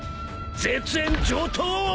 絶縁上等！